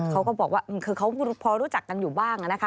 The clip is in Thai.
เขาก็บอกว่าคือเขาพอรู้จักกันอยู่บ้างนะคะ